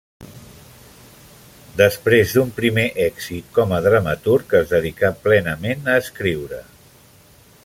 Després d'un primer èxit com a dramaturg, es dedicà plenament a escriure.